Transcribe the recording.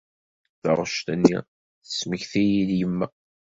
Taɣect-nni tesmekti-iyi-d yemma.